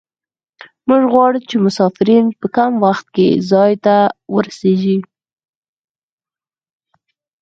موږ غواړو چې مسافرین په کم وخت کې ځای ته ورسیږي